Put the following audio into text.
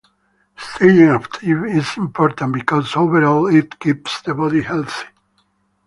Staying active is important because overall it keeps the body healthy.